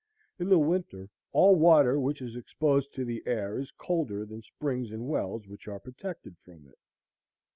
In the winter, all water which is exposed to the air is colder than springs and wells which are protected from it.